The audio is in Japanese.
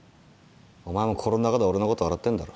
お前も心の中では俺のこと笑ってんだろ？